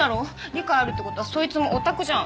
理解あるってことはそいつもヲタクじゃん。